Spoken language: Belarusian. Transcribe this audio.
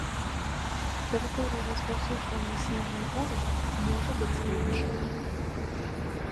Тэрыторыя распаўсюджвання снежнай буры можа быць вельмі шырокай.